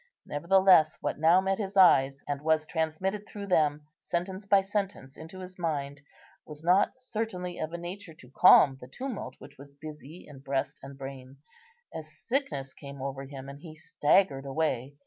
Nevertheless, what now met his eyes and was transmitted through them, sentence by sentence, into his mind, was not certainly of a nature to calm the tumult which was busy in breast and brain; a sickness came over him, and he staggered away.